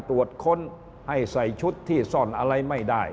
ตรวจค้นให้ใส่ชุดที่ซ่อนอะไรไม่ได้